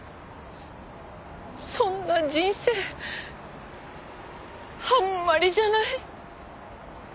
そんな人生あんまりじゃない。